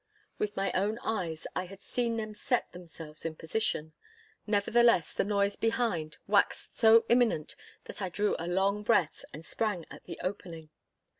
With my own eyes I had seen them set themselves in position. Nevertheless, the noise behind waxed so imminent that I drew a long breath, and sprang at the opening.